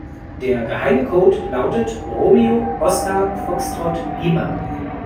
Der geheime Code lautet Romeo Oskar Foxtrott Lima.